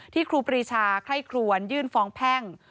ที่ครูปริชาไข้ครวนยื่นฟองแพ่ง